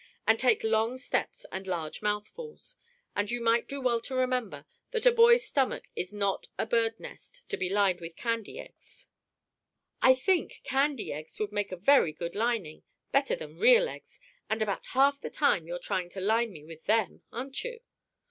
And take long steps and large mouthfuls! And you might do well to remember that a boy's stomach is not a birdnest to be lined with candy eggs." "I think candy eggs would make a very good lining, better than real eggs; and about half the time you're trying to line me with them, aren't you?